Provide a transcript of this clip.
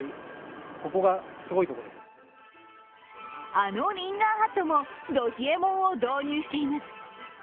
あのリンガーハットも、ど冷えもんを導入しています。